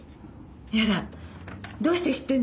やだどうして知ってんの？